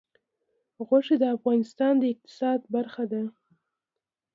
غوښې د افغانستان د اقتصاد برخه ده.